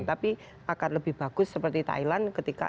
tapi akan lebih bagus seperti thailand ketika